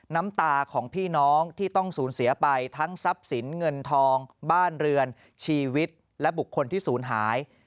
น้ำตาของพี่น้องที่ต้องสูญเสียไปทั้งทรัพย์สินเงินทองบ้านเรือนชีวิตและบุคคลที่ศูนย์หาย